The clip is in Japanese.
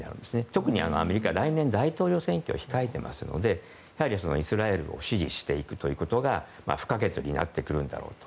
特にアメリカは来年大統領選挙を控えていますのでやはりイスラエルを支持していくということが不可欠になってくるんだろうと。